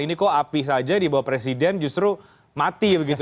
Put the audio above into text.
ini kok api saja dibawa presiden justru mati begitu